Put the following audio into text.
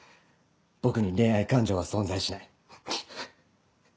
僕に恋愛感情は存在しない。